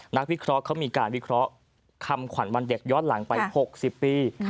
นักวิเคราะห์เขามีการวิเคราะห์คำขวัญวันเด็กย้อนหลังไป๖๐ปี